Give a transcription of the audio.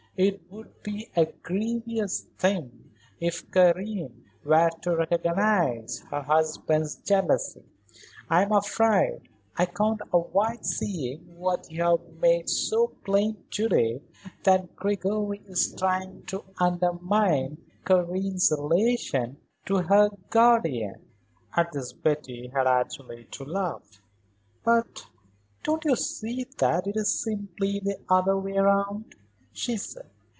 It would be a grievous thing if Karen were to recognize her husband's jealousy. I'm afraid I can't avoid seeing what you have made so plain to day, that Gregory is trying to undermine Karen's relation to her guardian." At this Betty had actually to laugh. "But don't you see that it is simply the other way round?" she said.